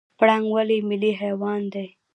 پړانګ ولې ملي حیوان دی؟